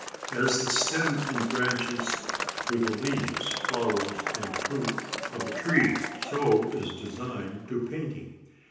As the stem and branches to the leaves, flowers, and fruit of a tree, so is design to painting.